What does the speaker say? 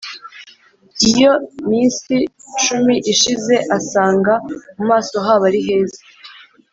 Iyo minsi cumi ishize asanga mu maso habo ari heza